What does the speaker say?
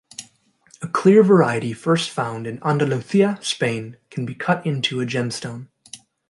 A clear variety first found in Andalusia, Spain can be cut into a gemstone.